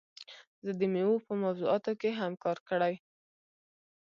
زه د میوو په موضوعاتو کې هم کار کړی.